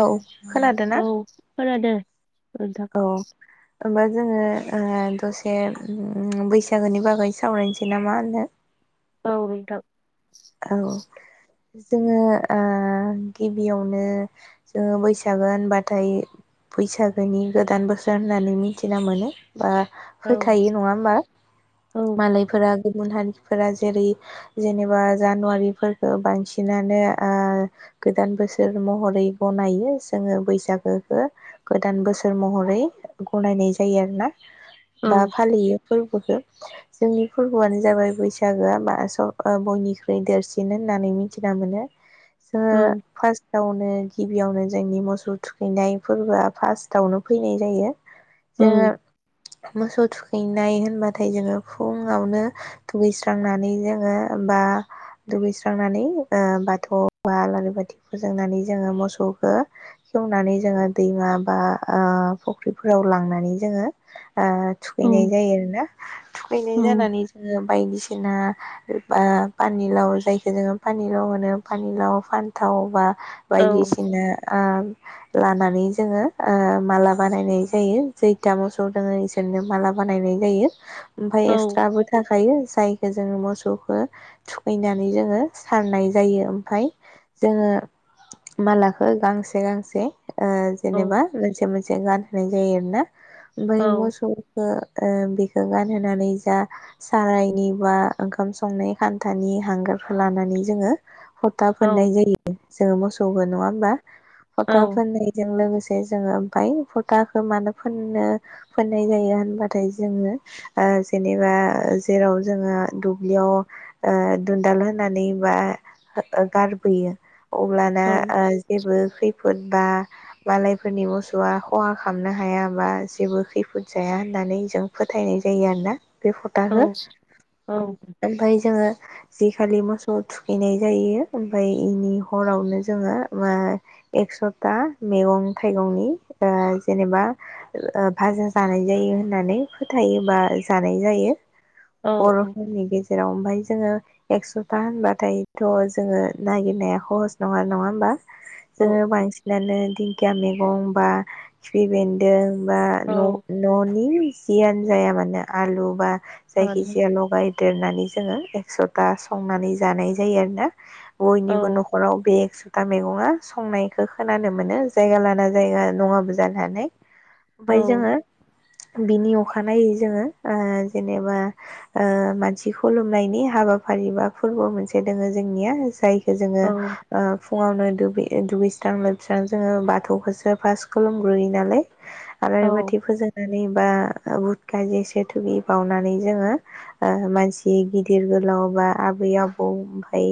औ खोनादो ना औ खोनादों नोंथां होमबा जोंङो‌ ओ दसे उम बैसागोनि बागै सावरायनोसै नामा [unintelligible] औ नोंथां औ जोंङो ओ गिबियावनो जोंङो बैसागो होनबाथाय बैसागोनि गोदान बोसोर होननानै मिथिना मोनो बा औ फोथायो नङा होमबा औ मालायफोरा गुबुन हारिफोरा जेरै जेनेबा जानुवारिफोरखो बांसिनानो ओ गोदान बोसोर महरै गनायो जोंङो बैसागोखौ गोदान बोसोर महरै गनायनाय जायो आरोना औ बा फालियो फोरबोखौ जोंनि फोरबोआनो जाबाय बैसागोआ [unintelligible] बयनि बे देरसिन होननानै मिथिना मोनो जोंङो औ फार्टाव‌ नो गिबियावनो जोंनि मोसौ थुखैनाय फोरबोआ फार्सटआवनो फैनाय जायो जोंङो औ मोसौ थुखै हैनाय होनबाथाय जोंङो फुंङावनो दुगैस्रांनानै जोंङो बा दुगैस्रांनानै ओ बाथौ बा आलारि बाथि फोजोंनानै जोङो मोसौखौ खेवनानै जोङो दैमा बा ओ फुख्रिफोराव लांनानै जोङो ओ औ थुखैनाय जायो आरोना थुखैनाय औ जानानै जोङो बायदिसिना [unintelligible] पानिलाव जायखो जोङो पानिलाव होनो पानिलाव फानथाव बा औ बायदिसिनो आ लानानै जोङो ओ माला बानायनाय जायो खैथा मोसौ दङ इसोरनो माला बानायनाय जायो। ओमफ्राय औ औ एक्सट्राबो थाखायो। जायखौ जोङो मोसौखौ थुखैनानै जोङो सारनाय जायो ओमफ्राय जोङो मालाखो गांसे गांसे ओ औ जेनेबा मोनसे मोन जों गानहोनाय जायो आरोना बै मोसौखो ओ बेखौ गानहोनानै जा सारायनि बा ओंखाम संनाय खान थानि हांगारफोर लानानै जोङो। फथा फोननाय जायो जोङो मोसौ जौबो नङा होमबा फथा फोननायजों लोगोसे जोङो ओमफ्राय फथाखौ मानो फनो फोननाय जायो होनबाथाय जोङो ओ जेनेबा जेराव जोङो दुब्लियाव ओ दुनन्दाल होनानै बा गारबोयो। अब्लाना ओ जेबो खैफोद बा मालायफोरनि मोसौआ खहा खालामनो हाया बा जेबो खैफोद जाया होननानै जों फोथायनाय जायो आरोना बे फथाखो ओमफाय जोङो जि खालि मोसौ थुखैनाय जायो ओमफाय इनि हरावनो जोङो एकसथा मैगं थाइगंनि ओ जेनेबा ओ बाजा जानाय जायो होननानै फोथायोबा जानाय जायो। बर'फोरनि गेजेराव जोङो एक्स'था होनबाथायथ' जोङो नागिरनाया हह'स नङा नङा होमबा। जोङो बांसिनानो दिंखिया मेगं बा खिफि बेन्दों। बा न ननि जियानो जाया मानो आलु बा जायखि जाया लगाइ देरनानै जोङो जथा संनानै जानाय जायो आरो ना। बयनिबो नखराव बे एकस था मैगङा संनायखौ खोनानो मोनो जायगा लाना जायगा नङाबो जानो हानाय। ओमफाय जोङो औ बिनि अखानायै जोङो ओ जेनेबा ओ मानसि खुलुमनायनि हाबाफारि बा फोरबो मोनसे दोङो जोंनिया जाय जोङो औ ओ। फुङावनो दुगैयो दुगैस्रां लोबस्रां जोङो बाथौखौसो फास खुलुमग्रोयो नालाय। आलारि औ बाथि फोजोङो बा [unintelligible] बावनानै जोङो ओ मानसि गिद गिदिर गोलाव बा आबै आबौ ओमफाय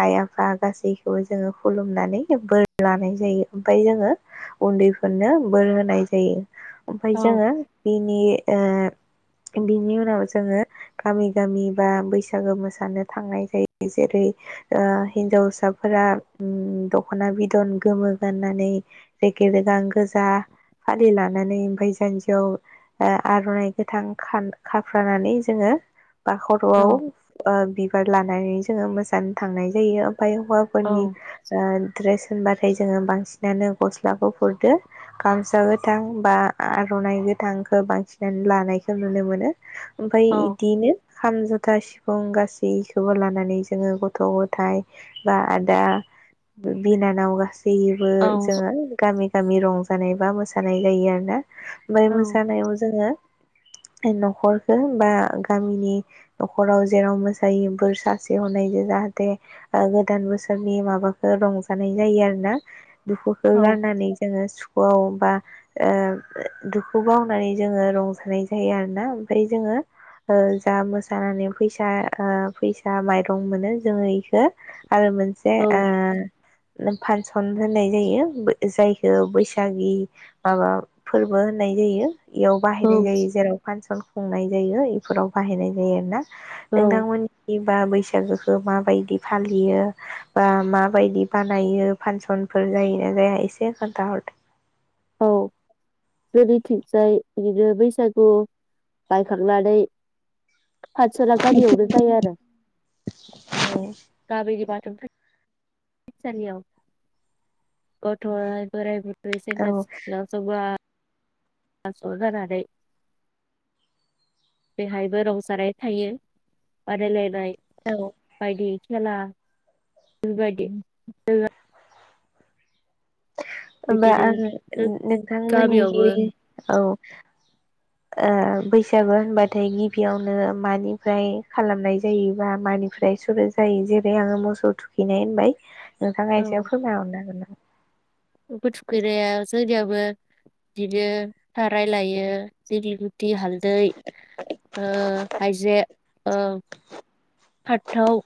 आइ आफा गासैखौबो जोङो खुलुमनानै बोर लानाय जायो ओमफाय जोङो उन्दैफोरनो बोर होनाय जायो। ओमफा जोङो बिनि। ओ बिनि उनाव जोङो गामि गामि बा बैस बैसागो मोसानो थांनाय जायो जेरै ओ हिनजावसाफोरा उम दखना बिदन गोमो गाननानै रेखे रेगां गोजा फालि लानानै ओमफाय जानजिआव ओ आरनाइ गोथां खान खाफ्रानानै जोङो बा खर'आव। ओ बिबार लानानै जोङो मोसानो थांनाय जायो । फाइ हौवाफोरनि ओ। द्रेस होनबाथाय जोङो बांसिनानो गस्ला गुफुरदो गामसा गोथां बा आरनाइ गोथांखौ बांसिनानो लानायखौ नुनो मोनो । ओमफाय इदिनो। खाम जथा सिफ फुं गासैखौबो लानानै जोङो गथ' गथाय बा आदा बिनानाव गासै [unintelligible] बो जोङो गामिन गामि रंजानाय बा मोसानाय जायो आरो ना। ओमफाय मोसानायाव जोङो । न'खरखो बा गामिनि न'खराव जेराव मोसायो बोर सासे हनायजों जाहाथे ओ गोदान बोसोरनि माबाखौ रंज जानाय जायो आरो ना दुखुखो गारनानै जोङो सुख खुआव बा ओ दुखु बावनानै जोङो रंजानाय जायो आरो ना ओमफाय जोङो ओ जा मोसानानै फैसा ओ फैसा माइरं मोनो जोङो इखो आरो मोनसे ओ फान सन होननाय जायो बो जायखौ बैसागि माबा फोरबो होननाय जायो। इयाव बाहायनाय जायो जेराव फानस संनाय जायो इफोराव बाहायनाय जायो आरो ना नोंथां मोननिसिम बा बैसागोखौ माबायदि फालियो बा माबायदि बानायो फांसनफोर जायो ना जाया एसे खोनथाहरदो । औ जोंनि थिंजाय बिदिनो बैसागु बायखांनानै फानसना गामियावनो जायो आरो गामिनि मान [unintelligible] फिद सालियाव गथ'आ‌ बोराइ बुर रै सेंग्रा औ सिख्ला जौगा बा ज' जानानै बेहायबो रंजानाय थायो बादायलायनाय बायदि खेला बायदि [unintelligible] होमबा बिदिनो आङो जों नोंथांमोननिखि गामियावबो औ ओ बैसागु होनबाथाय गिबियावनो मानिफ्राय खालामनाय जायोबा मानिफ्राय सुरु जायो जेरै आङो मोसौ थुखैनाय होनबाय नोंथाङा औ एसे फोरमायहरनो हागोन ना थुखैनाया जोंनियाबो बिदिनो रायलायो जेरैनि थि हालदै ओ हायजें ओं फानथाव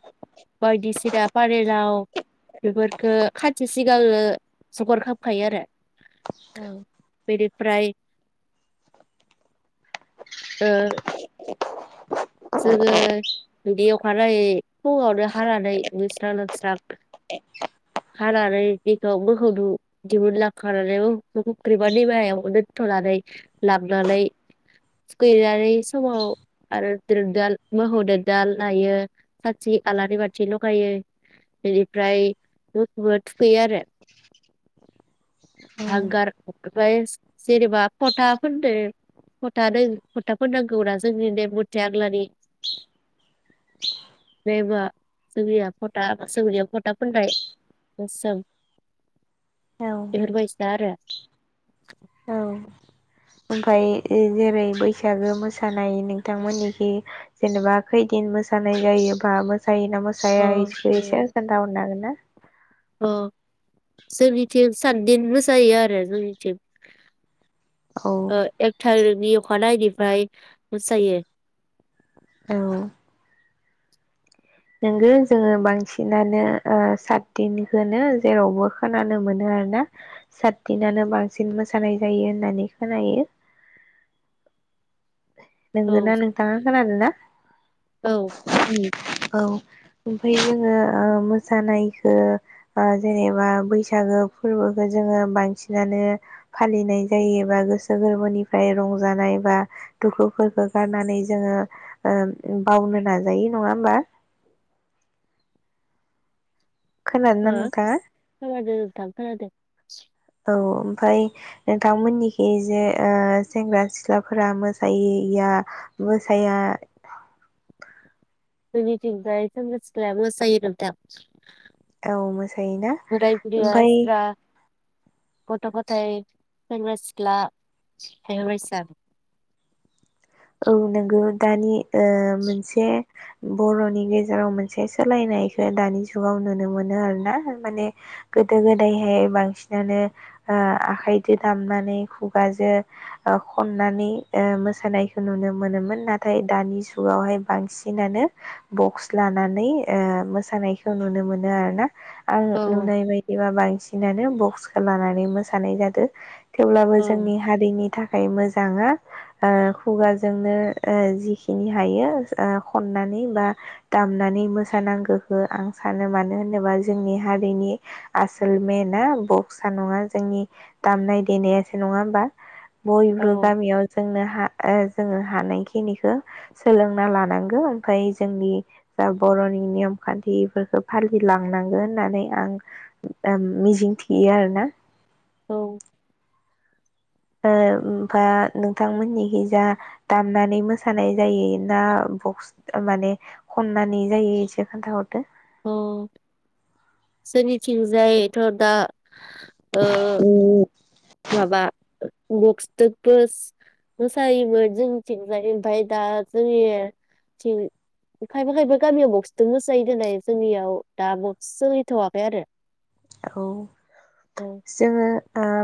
बायदिसिना फानिलाव बेफोरखो खानसे सिगांनो जगार खालामखायो आरो औ बेफ्राय ओ [inaudible] जोङो बेव बाराय फुङावनो हानानै दुगैस्रां-लोबस्रां [inaudible] खानानै बेखौ मोखौ दिहुनलांखानानै फुख्रिबा दैमायाव दोनथनानै लाबोनानै थुखैहैनानै समाव आरो दोनदाल मोखौ दोनदाल लायो साथि आलारि बाथि लगायो बेनिफ्राय मोखौबो थुखैयो आरो हांगार ओमफ्राय जेनेबा फथा फोनदो फथा दों फथा फोननांगौ जोंनि नेम बे आग्लानि नेमा जोंनिया फथा मोसौनियाव फथा फोननाय मोसौ बेफोर बायसा आरो औ ओमफाय जेरै बैसागो मोसानाय नोंथांमोननिखै जेनेबा खैदिन मोसानाय जायोबा मोसायोना मोसाया इखौ एसे खोनथा हरनो हागोन ना? ओ जोंनिथिं साथदिन मोसायो आरो जोंनिथिं औ ओ एक थारिख नि अखानायनिफ्रायै मोसायो [inaudible] नोंगो जोङो बांसिनानो ओ सातदिन होनो जेरावबो खोनानो मोनो आरोना सातदिनानो बांसिन मोसानाय जायो होननानै खोनायो औ नोंगो ना नोंथाङा खोनादों ना औ औ ओमफ्राय जोङो मोसानायखो बा जेनेबा बैसागो फोरबोखौ जोङो बांसिनानो फालिनाय जायो बा गोसो गोरबोनिफ्राय रंजानाय बा दुखुफोरखौ गारनानै जोङो बावनो नाजायो नङा होमबा? खोनादोंना हो नोंथाङा? खोनादों नोंथां खोनादों ओमफ्राय नोंथांमोननिखै जे सेंग्रा सिख्लाफोरा मोसायैया मोसाया जोंनिथिंजाय सेंग्रा सिख्लाया मोसायो नोंथां। औ मोसायोना बोराय बुरैया ओमफाय एक्सट्रा गथ गथाय सेंग्रा सिख्ला बेफोर बायसा औ नोंगौ दानि ओ मोनसे बरनि गेजेराव मोनसे सोलायनायखौ दानि जुगाव नुनो मोनो आरो ना माने गोदो गोदायहाय बांसिनानो ओ आखायजों दामनानै खुगाजों खननानै ओ मोसानायखौ नुनो मोनोमोन नाथाय दानि जुगावहाय बांसिनानो बक्स लानानै ओ मोसानायखौ नुनो मोनो आरो ना आं औ नुनाय बायदिबा बांसि नानो बक्सखौ लानानै मोसानाय जादो। थेवब्लाबो औ जोंनि हारिनि थाखा खाय मोजां ओ खुगाजोंनो जिखिनि हायो खननानै बा दामनानै मोसानांगौ हो आं सानो मानो होनोबा जोंनि हारिनि आसोल मेनाआ बक्सा नङा जोंनि दामनाय देनायासो नङा होमबा औ बयबो गामियाव जोंनो हा ओ जोङो हानायखिनिखो सोलोंना लानांगौ ओमफ्राय जोंनि जा बरनि नियम खान्थिफोरखौ फालिलांनांगोन होननानै आं मिजिं थियो आरोना औ। ओ बा नोंथांमोननिखि जा दामनानै मोसानाय जायो ना बक्स माने खननानै जायो एसे खोन्थाहरदो अ सोरनिथिंजायथ दा ओ खोन्थाहरदो माबा बक्सजोंबो मोसायोमोन जों थिंजाय ओमफाय दा जोंनि थिं खायफा खायफा गामियाव बक्सजों मोसायो दोनाय जोंनियाव दा बक्स सोहैथवाखै आरो। औ औ जोङो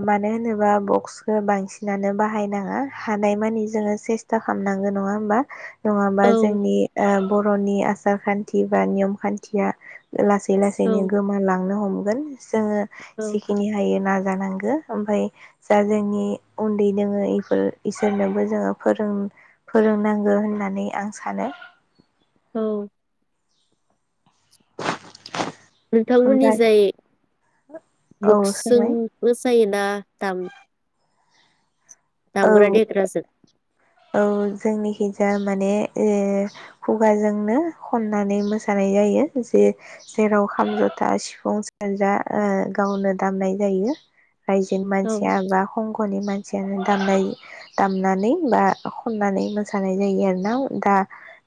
मानो होनोब्ला बक्सखौ बांसिनानो बाहायनाङा हानायमानि जोङो सेस्था खालामनांगौ नङा होमबा नङाबा औ जोंनि ओम बर'नि आसार खान्थि बा नियम खान्थिया लासै लासैनो औ गोमालांनो हम मोनगोन। जोङो औ जिखिनि हायो ना जानांगो ओमफ्राय जा जोंनि उन्दै दोङोफोर इसोरनोबो जोङो फोर फोरोंनांगौ होननानै आं सानो औ। ओमफ्राय नोंथांमोननिजाय औ बुक्सजों सोंनाय मोसायो दा दाम औ दामग्रा देग्राजों औ जोंनिखिजाया माने ओ खुगाजोंनो खननानै मोसानाय जायो जे जेराव खाम जथा सिफुं सेरजा ओ गावनो दामनाय जायो रायजोनि औ मानसिया बा हं माने मानसियानो दामनाय दामनानै बा खननानै मोसानाय जायो आरोना दा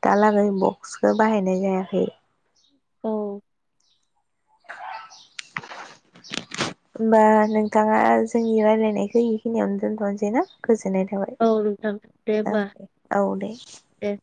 दालागै बक्सखौ बाहायनाय जायाखै। औ होमबा नोंथाङा जोंनि रायलायनायखौ इखिनियावनो दोनथनोसै ना? गोजोननाय थाबाय। औ नोंथां औ होमबा दे औ दे। दे